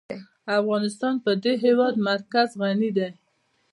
افغانستان په د هېواد مرکز غني دی.